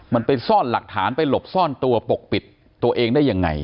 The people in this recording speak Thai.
มันไปซ่อนหลักฐานไปหลบซ่อนตัวปกปิดตัวเองได้ยังไง